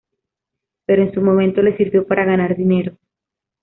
Pero en su momento le sirvió para ganar dinero.